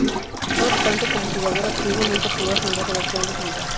No obstante, como jugador activo nunca pudo ascender a las Grandes Ligas.